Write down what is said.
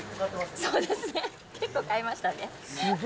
そうですね、結構買いましたね。